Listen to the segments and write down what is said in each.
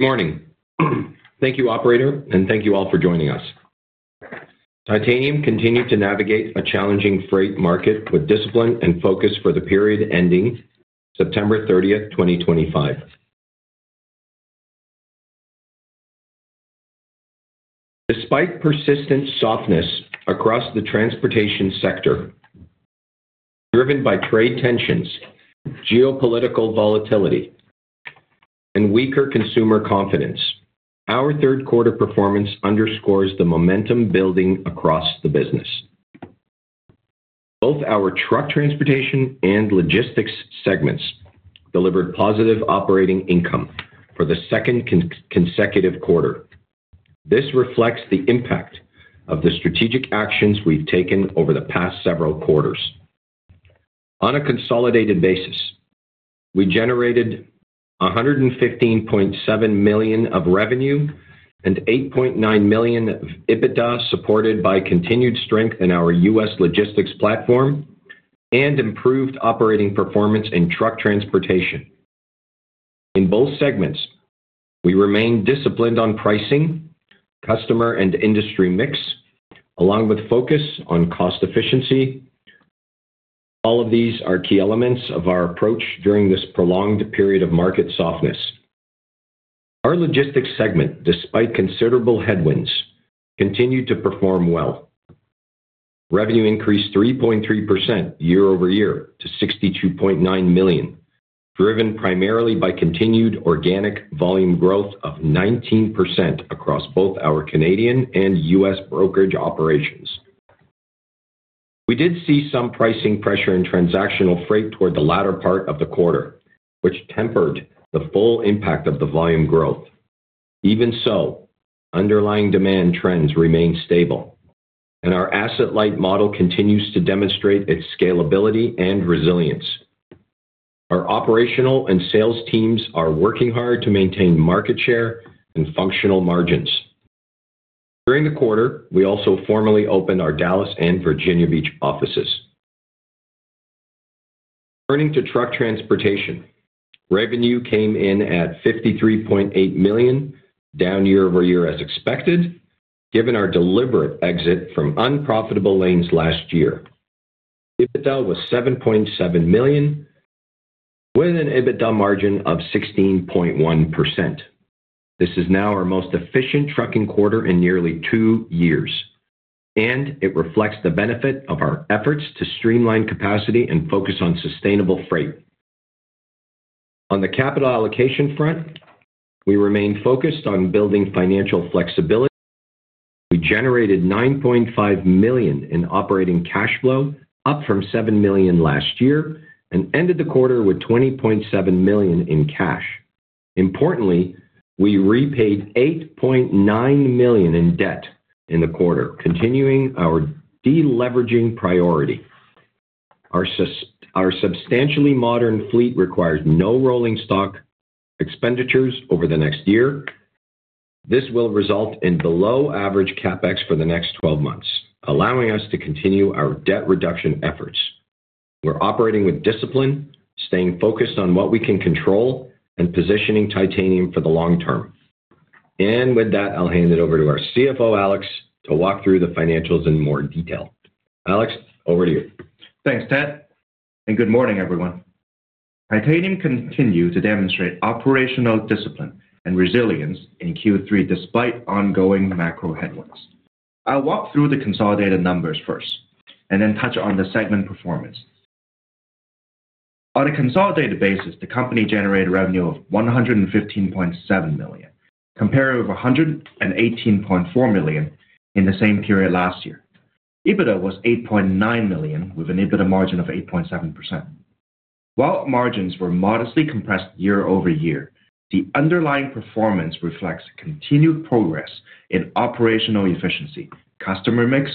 Good morning. Thank you, Operator, and thank you all for joining us. Titanium continues to navigate a challenging freight market with discipline and focus for the period ending September 30th, 2025. Despite persistent softness across the transportation sector, driven by trade tensions, geopolitical volatility, and weaker consumer confidence, our third-quarter performance underscores the momentum building across the business. Both our Truck Transportation and Logistics segments delivered positive operating income for the second consecutive quarter. This reflects the impact of the strategic actions we've taken over the past several quarters. On a consolidated basis, we generated 115.7 million of revenue and 8.9 million of EBITDA, supported by continued strength in our U.S. Logistics platform and improved operating performance in Truck Transportation. In both segments, we remained disciplined on pricing, customer and industry mix, along with focus on cost efficiency. All of these are key elements of our approach during this prolonged period of market softness. Our Logistics segment, despite considerable headwinds, continued to perform well. Revenue increased 3.3% year-over-year to 62.9 million, driven primarily by continued organic volume growth of 19% across both our Canadian and U.S. brokerage operations. We did see some pricing pressure in transactional freight toward the latter part of the quarter, which tempered the full impact of the volume growth. Even so, underlying demand trends remain stable, and our asset-light model continues to demonstrate its scalability and resilience. Our operational and sales teams are working hard to maintain market share and functional margins. During the quarter, we also formally opened our Dallas and Virginia Beach offices. Turning to Truck Transportation, revenue came in at 53.8 million, down year-over-year as expected, given our deliberate exit from unprofitable lanes last year. EBITDA was 7.7 million, with an EBITDA margin of 16.1%. This is now our most efficient trucking quarter in nearly two years, and it reflects the benefit of our efforts to streamline capacity and focus on sustainable freight. On the capital allocation front, we remained focused on building financial flexibility. We generated 9.5 million in operating cash flow, up from 7 million last year, and ended the quarter with 20.7 million in cash. Importantly, we repaid 8.9 million in debt in the quarter, continuing our deleveraging priority. Our substantially modern fleet requires no rolling stock expenditures over the next year. This will result in below-average CapEx for the next 12 months, allowing us to continue our debt reduction efforts. We're operating with discipline, staying focused on what we can control, and positioning Titanium for the long term. With that, I'll hand it over to our CFO, Alex, to walk through the financials in more detail. Alex, over to you. Thanks, Ted, and good morning, everyone. Titanium continues to demonstrate operational discipline and resilience in Q3 despite ongoing macro headwinds. I'll walk through the consolidated numbers first and then touch on the segment performance. On a consolidated basis, the company generated revenue of 115.7 million, compared with 118.4 million in the same period last year. EBITDA was 8.9 million, with an EBITDA margin of 8.7%. While margins were modestly compressed year-over-year, the underlying performance reflects continued progress in operational efficiency, customer mix,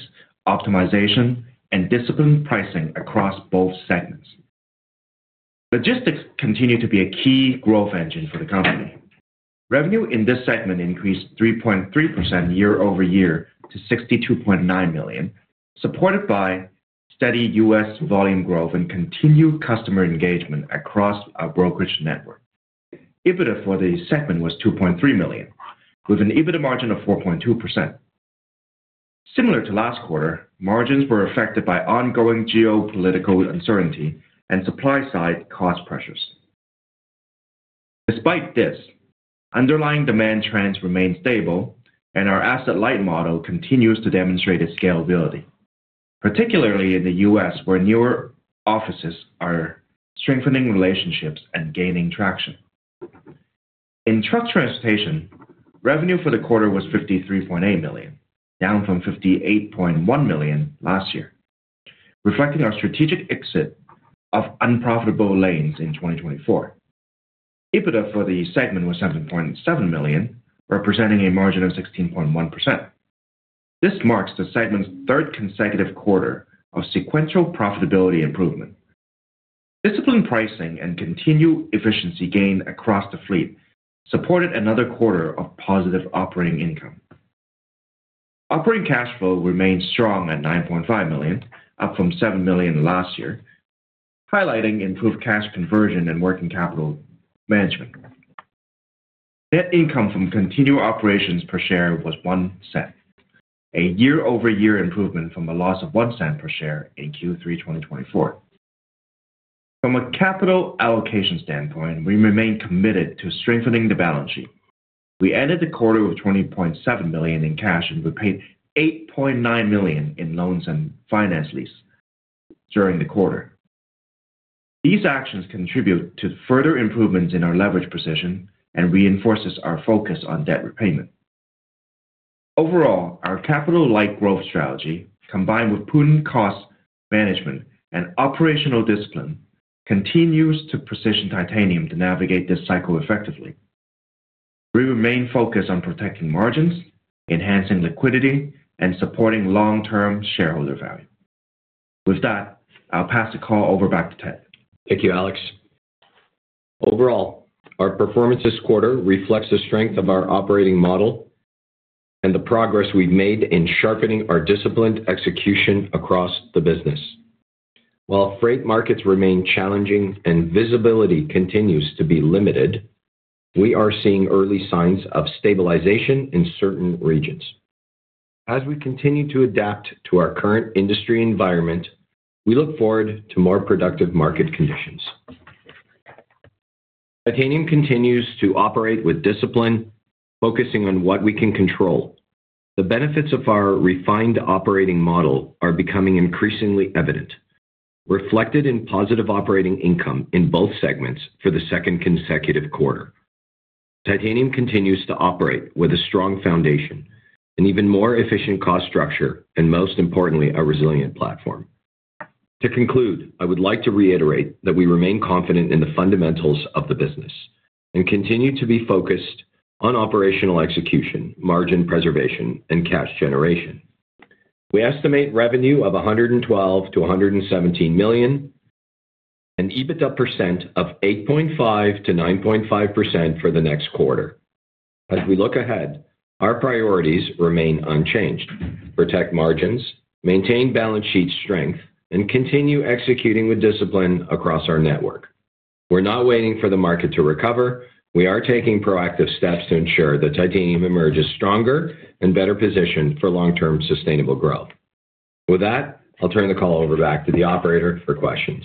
optimization, and disciplined pricing across both segments. Logistics continues to be a key growth engine for the company. Revenue in this segment increased 3.3% year-over-year to 62.9 million, supported by steady U.S. volume growth and continued customer engagement across our brokerage network. EBITDA for the segment was 2.3 million, with an EBITDA margin of 4.2%. Similar to last quarter, margins were affected by ongoing geopolitical uncertainty and supply-side cost pressures. Despite this, underlying demand trends remain stable, and our asset-light model continues to demonstrate its scalability, particularly in the U.S., where newer offices are strengthening relationships and gaining traction. In Truck Transportation, revenue for the quarter was 53.8 million, down from 58.1 million last year, reflecting our strategic exit of unprofitable lanes in 2024. EBITDA for the segment was 7.7 million, representing a margin of 16.1%. This marks the segment's third consecutive quarter of sequential profitability improvement. Disciplined pricing and continued efficiency gained across the fleet supported another quarter of positive operating income. Operating cash flow remained strong at 9.5 million, up from 7 million last year, highlighting improved cash conversion and working capital management. Net income from continued operations per share was 0.01, a year-over-year improvement from a loss of 0.01 per share in Q3 2024. From a capital allocation standpoint, we remained committed to strengthening the balance sheet. We ended the quarter with 20.7 million in cash and repaid 8.9 million in loans and finance lease during the quarter. These actions contribute to further improvements in our leverage position and reinforce our focus on debt repayment. Overall, our asset-light growth strategy, combined with prudent cost management and operational discipline, continues to position Titanium to navigate this cycle effectively. We remain focused on protecting margins, enhancing liquidity, and supporting long-term shareholder value. With that, I'll pass the call over back to Ted. Thank you, Alex. Overall, our performance this quarter reflects the strength of our operating model and the progress we've made in sharpening our disciplined execution across the business. While freight markets remain challenging and visibility continues to be limited, we are seeing early signs of stabilization in certain regions. As we continue to adapt to our current industry environment, we look forward to more productive market conditions. Titanium continues to operate with discipline, focusing on what we can control. The benefits of our refined operating model are becoming increasingly evident, reflected in positive operating income in both segments for the second consecutive quarter. Titanium continues to operate with a strong foundation, an even more efficient cost structure, and most importantly, a resilient platform. To conclude, I would like to reiterate that we remain confident in the fundamentals of the business and continue to be focused on operational execution, margin preservation, and cash generation. We estimate revenue of 112 million-117 million and EBITDA percent of 8.5%-9.5% for the next quarter. As we look ahead, our priorities remain unchanged: protect margins, maintain balance sheet strength, and continue executing with discipline across our network. We're not waiting for the market to recover. We are taking proactive steps to ensure that Titanium emerges stronger and better positioned for long-term sustainable growth. With that, I'll turn the call over back to the operator for questions.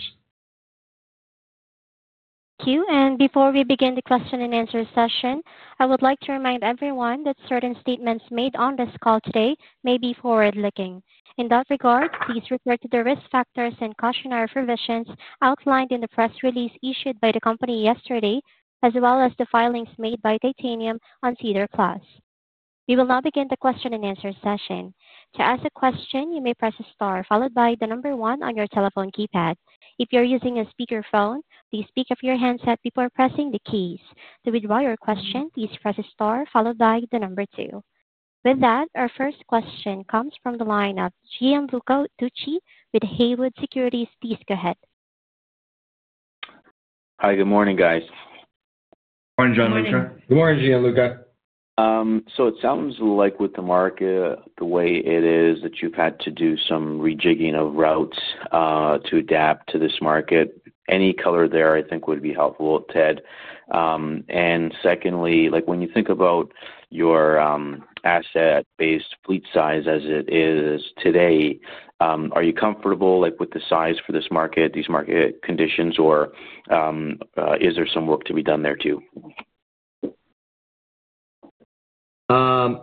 Thank you. Before we begin the question and answer session, I would like to remind everyone that certain statements made on this call today may be forward-looking. In that regard, please refer to the risk factors and cautionary provisions outlined in the press release issued by the company yesterday, as well as the filings made by Titanium on SEDAR+. We will now begin the question and answer session. To ask a question, you may press star followed by the number one on your telephone keypad. If you're using a speakerphone, please speak off your handset before pressing the keys. To withdraw your question, please press star followed by the number two. With that, our first question comes from the line of Gianluca Tucci with Haywood Securities. Please go ahead. Hi, good morning, guys. Morning, Gianluca. Good morning, Gianluca. It sounds like with the market, the way it is, that you've had to do some rejigging of routes to adapt to this market. Any color there, I think, would be helpful, Ted. Secondly, when you think about your asset-based fleet size as it is today, are you comfortable with the size for this market, these market conditions, or is there some work to be done there too? I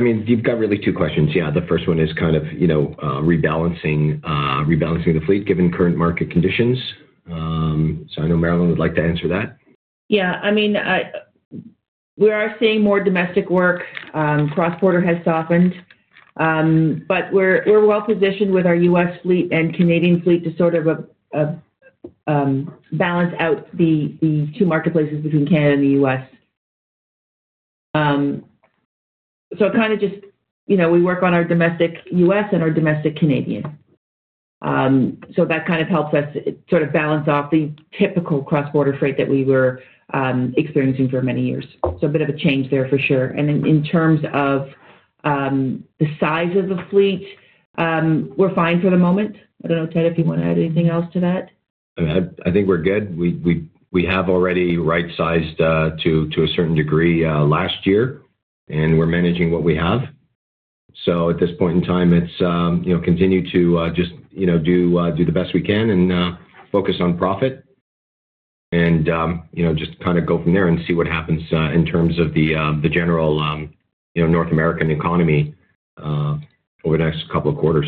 mean, you've got really two questions. Yeah, the first one is kind of rebalancing the fleet given current market conditions. I know Marilyn would like to answer that. Yeah. I mean, we are seeing more domestic work. Cross-border has softened, but we're well-positioned with our U.S. fleet and Canadian fleet to sort of balance out the two marketplaces between Canada and the U.S. Kind of just we work on our domestic U.S. and our domestic Canadian. That kind of helps us sort of balance off the typical cross-border freight that we were experiencing for many years. A bit of a change there for sure. In terms of the size of the fleet, we're fine for the moment. I don't know, Ted, if you want to add anything else to that. I think we're good. We have already right-sized to a certain degree last year, and we're managing what we have. At this point in time, it's continue to just do the best we can and focus on profit and just kind of go from there and see what happens in terms of the general North American economy over the next couple of quarters.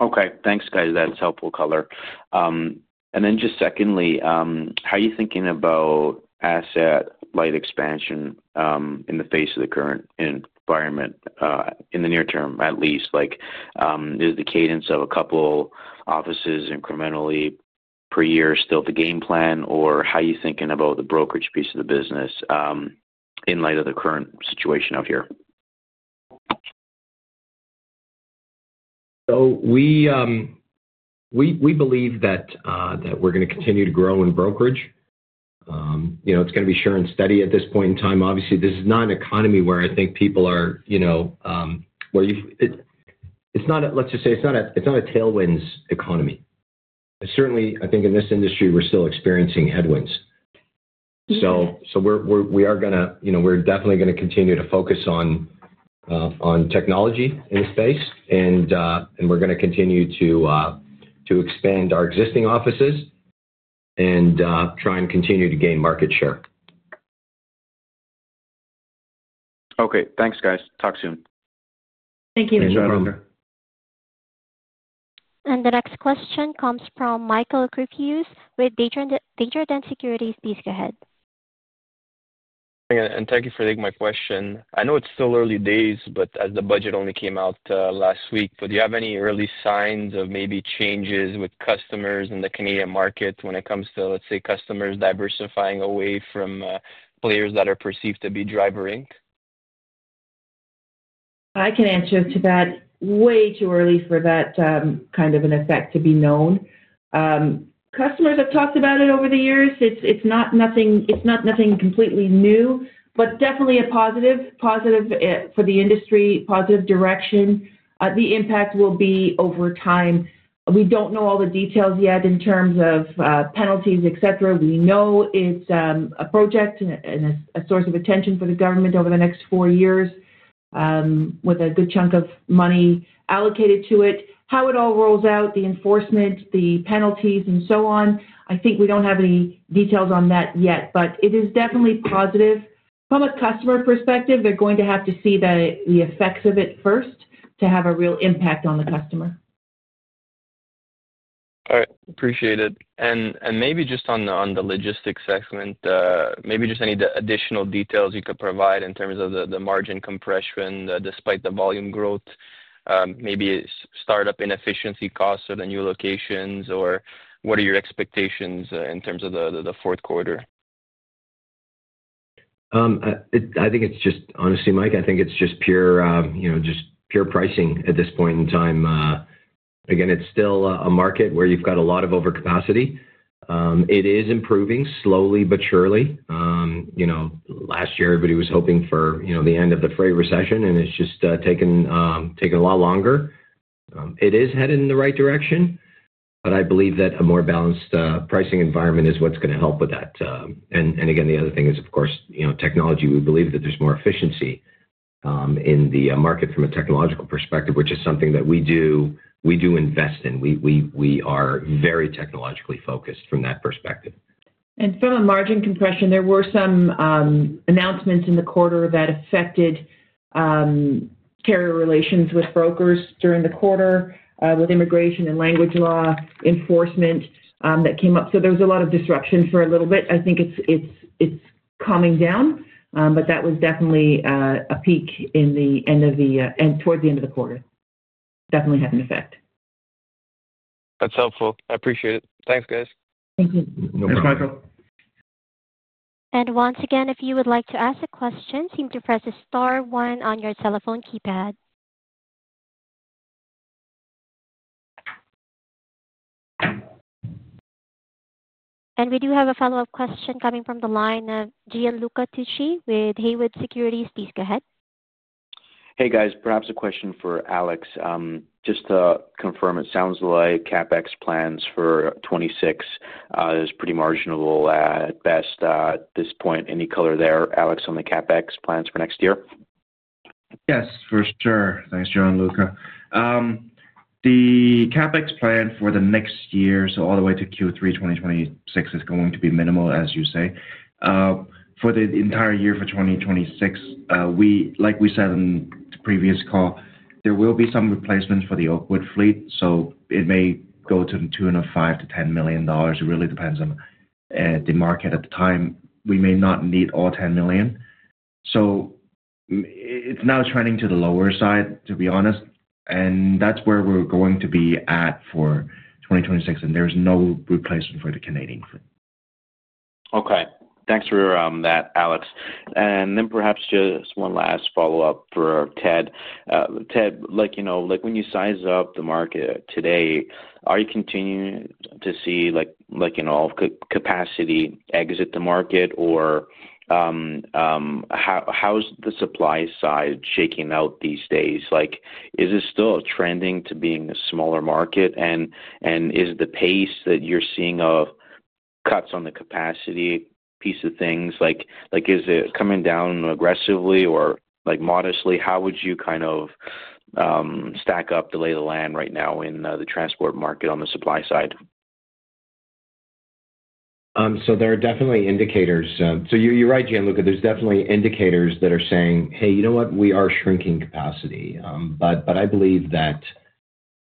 Okay. Thanks, guys. That's helpful color. Then just secondly, how are you thinking about asset-light expansion in the face of the current environment in the near term, at least? Is the cadence of a couple offices incrementally per year still the game plan, or how are you thinking about the brokerage piece of the business in light of the current situation out here? We believe that we're going to continue to grow in brokerage. It's going to be sure and steady at this point in time. Obviously, this is not an economy where I think people are where you—let's just say it's not a tailwinds economy. Certainly, I think in this industry, we're still experiencing headwinds. We are going to—we're definitely going to continue to focus on technology in the space, and we're going to continue to expand our existing offices and try and continue to gain market share. Okay. Thanks, guys. Talk soon. Thank you. Thanks, Gianluca. The next question comes from Michael Kypreos with Desjardins Securities. Please go ahead. Thank you for taking my question. I know it's still early days, as the budget only came out last week, but do you have any early signs of maybe changes with customers in the Canadian market when it comes to, let's say, customers diversifying away from players that are perceived to be driver-ink? I can answer to that. Way too early for that kind of an effect to be known. Customers have talked about it over the years. It's not nothing completely new, but definitely a positive, positive for the industry, positive direction. The impact will be over time. We don't know all the details yet in terms of penalties, etc. We know it's a project and a source of attention for the government over the next four years with a good chunk of money allocated to it. How it all rolls out, the enforcement, the penalties, and so on, I think we don't have any details on that yet, but it is definitely positive. From a customer perspective, they're going to have to see the effects of it first to have a real impact on the customer. All right. Appreciate it. Maybe just on the Logistics segment, maybe just any additional details you could provide in terms of the margin compression despite the volume growth, maybe startup inefficiency costs at the new locations, or what are your expectations in terms of the fourth quarter? I think it's just, honestly, Mike, I think it's just pure pricing at this point in time. Again, it's still a market where you've got a lot of overcapacity. It is improving slowly but surely. Last year, everybody was hoping for the end of the freight recession, and it's just taken a lot longer. It is headed in the right direction, but I believe that a more balanced pricing environment is what's going to help with that. The other thing is, of course, technology. We believe that there's more efficiency in the market from a technological perspective, which is something that we do invest in. We are very technologically focused from that perspective. From a margin compression, there were some announcements in the quarter that affected carrier relations with brokers during the quarter with immigration and language law enforcement that came up. There was a lot of disruption for a little bit. I think it is coming down, but that was definitely a peak toward the end of the quarter. Definitely had an effect. That's helpful. I appreciate it. Thanks, guys. Thank you. Thanks, Michael. If you would like to ask a question, please press star one on your telephone keypad. We do have a follow-up question coming from the line of Gianluca Tucci with Haywood Securities. Please go ahead. Hey, guys. Perhaps a question for Alex. Just to confirm, it sounds like CapEx plans for 2026 is pretty marginal at best at this point. Any color there, Alex, on the CapEx plans for next year? Yes, for sure. Thanks, Gianluca. The CapEx plan for the next year, all the way to Q3 2026, is going to be minimal, as you say. For the entire year for 2026, like we said in the previous call, there will be some replacements for the Oakwood fleet, so it may go to 2.5 million-10 million dollars. It really depends on the market at the time. We may not need all 10 million. It's now trending to the lower side, to be honest, and that's where we're going to be at for 2026, and there's no replacement for the Canadian fleet. Okay. Thanks for that, Alex. Perhaps just one last follow-up for Ted. Ted, when you size up the market today, are you continuing to see all capacity exit the market, or how's the supply side shaking out these days? Is it still trending to being a smaller market, and is the pace that you're seeing of cuts on the capacity piece of things, is it coming down aggressively or modestly? How would you kind of stack up the lay of the land right now in the transport market on the supply side? There are definitely indicators. You're right, Gianluca. There are definitely indicators that are saying, "Hey, you know what? We are shrinking capacity." I believe that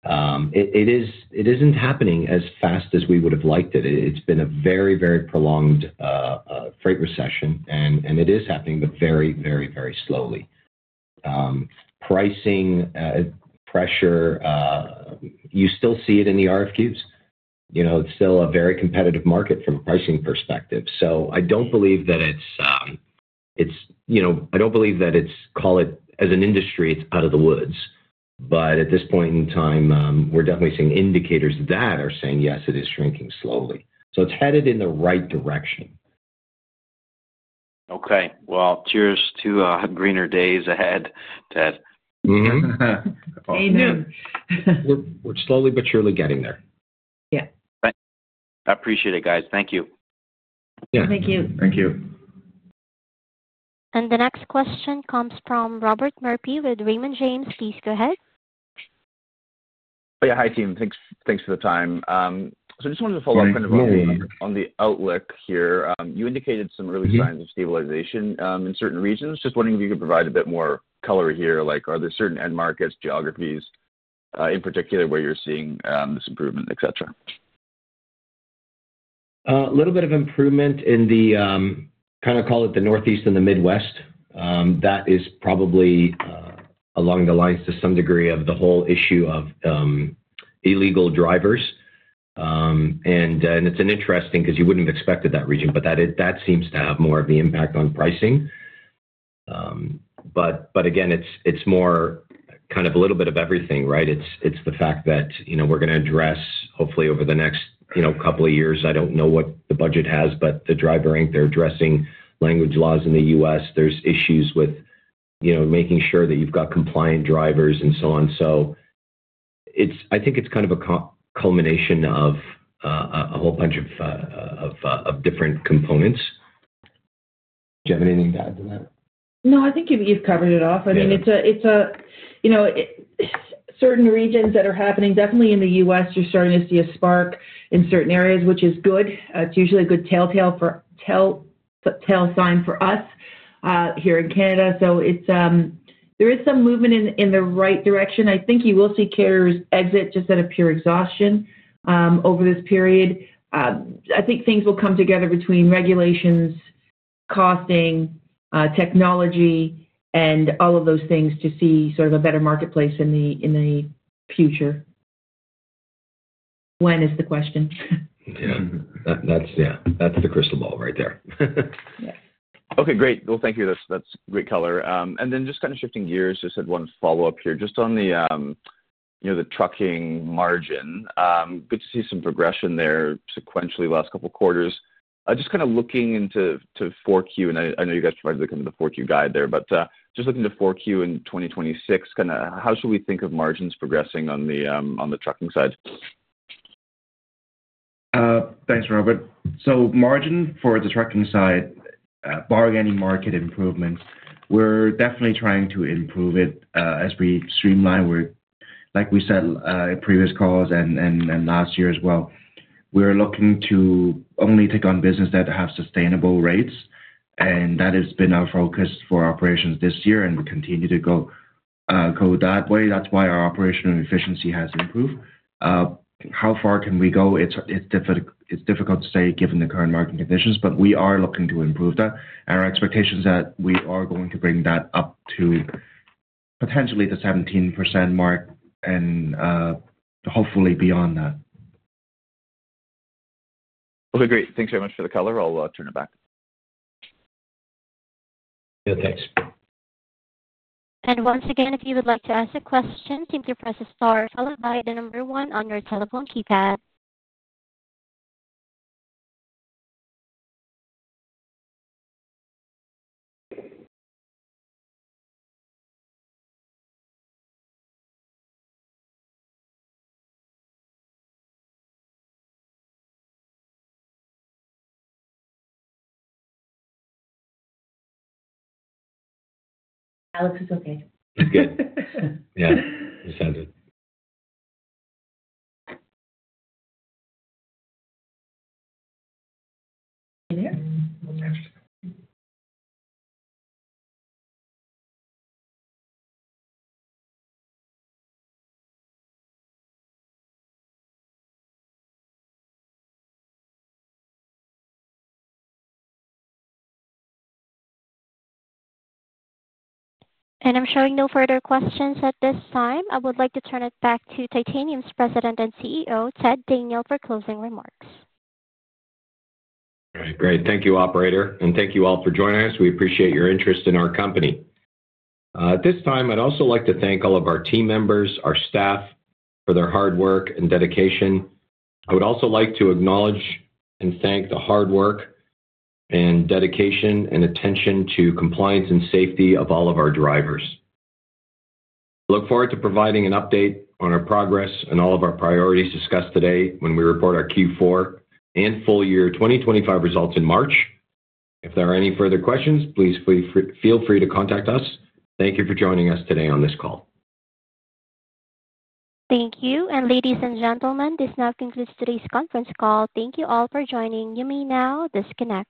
it isn't happening as fast as we would have liked it. It's been a very, very prolonged freight recession, and it is happening, but very, very, very slowly. Pricing pressure, you still see it in the RFQs. It's still a very competitive market from a pricing perspective. I don't believe that it's—I don't believe that it's—call it as an industry, it's out of the woods. At this point in time, we're definitely seeing indicators that are saying, "Yes, it is shrinking slowly." It's headed in the right direction. Okay. Cheers to greener days ahead, Ted. Thank you. We're slowly but surely getting there. Yeah. I appreciate it, guys. Thank you. Thank you. Thank you. The next question comes from Robert Murphy with Raymond James. Please go ahead. Oh, yeah. Hi, team. Thanks for the time. I just wanted to follow up kind of on the outlook here. You indicated some early signs of stabilization in certain regions. Just wondering if you could provide a bit more color here. Are there certain end markets, geographies in particular where you're seeing this improvement, etc.? A little bit of improvement in the, kind of call it, the Northeast and the Midwest. That is probably along the lines to some degree of the whole issue of illegal drivers. It's interesting because you wouldn't have expected that region, but that seems to have more of the impact on pricing. Again, it's more kind of a little bit of everything, right? It's the fact that we're going to address, hopefully, over the next couple of years. I don't know what the budget has, but the driver-ink, they're addressing language laws in the U.S. There's issues with making sure that you've got compliant drivers and so on. I think it's kind of a culmination of a whole bunch of different components. Do you have anything to add to that? No, I think you've covered it all. I mean, it's certain regions that are happening. Definitely in the U.S., you're starting to see a spark in certain areas, which is good. It's usually a good telltale sign for us here in Canada. There is some movement in the right direction. I think you will see carriers exit just out of pure exhaustion over this period. I think things will come together between regulations, costing, technology, and all of those things to see sort of a better marketplace in the future. When is the question? Yeah. That's the crystal ball right there. Okay. Great. Thank you. That's great color. Just kind of shifting gears, just had one follow-up here. Just on the trucking margin, good to see some progression there sequentially the last couple of quarters. Just kind of looking into 4Q, and I know you guys provided kind of the 4Q guide there, but just looking to 4Q in 2026, kind of how should we think of margins progressing on the trucking side? Thanks, Robert. Margin for the trucking side, barring any market improvements, we're definitely trying to improve it as we streamline. Like we said in previous calls and last year as well, we're looking to only take on business that have sustainable rates, and that has been our focus for operations this year and will continue to go that way. That's why our operational efficiency has improved. How far can we go? It's difficult to say given the current market conditions, but we are looking to improve that. Our expectation is that we are going to bring that up to potentially the 17% mark and hopefully beyond that. Okay. Great. Thanks very much for the color. I'll turn it back. Yeah. Thanks. If you would like to ask a question, please press star followed by the number one on your telephone keypad. Alex is okay. Good. Yeah. We sent it. Are you there? I am showing no further questions at this time. I would like to turn it back to Titanium's President and CEO, Ted Daniel, for closing remarks. All right. Great. Thank you, operator. Thank you all for joining us. We appreciate your interest in our company. At this time, I'd also like to thank all of our team members, our staff for their hard work and dedication. I would also like to acknowledge and thank the hard work and dedication and attention to compliance and safety of all of our drivers. I look forward to providing an update on our progress and all of our priorities discussed today when we report our Q4 and full year 2025 results in March. If there are any further questions, please feel free to contact us. Thank you for joining us today on this call. Thank you. Ladies and gentlemen, this now concludes today's conference call. Thank you all for joining. You may now disconnect.